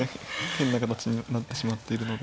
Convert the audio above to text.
変な形になってしまっているので。